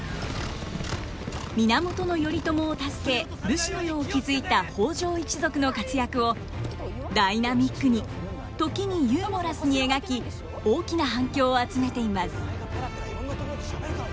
源頼朝を助け武士の世を築いた北条一族の活躍をダイナミックに時にユーモラスに描き大きな反響を集めています。